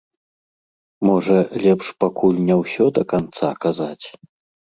Можа, лепш пакуль не ўсё да канца казаць?